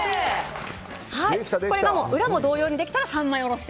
これで裏も同様にできたら三枚下ろし。